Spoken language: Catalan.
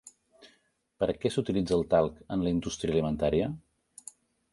Per a què s'utilitza el talc en la indústria alimentària?